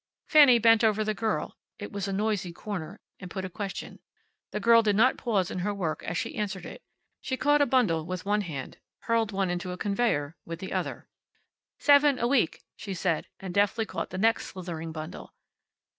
Fanny bent over the girl (it was a noisy corner) and put a question. The girl did not pause in her work as she answered it. She caught a bundle with one hand, hurled one into a conveyer with the other. "Seven a week," she said. And deftly caught the next slithering bundle.